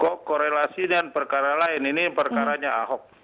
kok korelasi dengan perkara lain ini perkaranya ahok